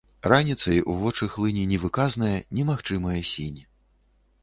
Раніцай у вочы хлыне невыказная, немагчымая сінь.